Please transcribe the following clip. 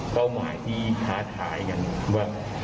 หมายที่ท้าทายกันว่า